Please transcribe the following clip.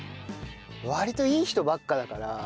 割といい人ばっかだから。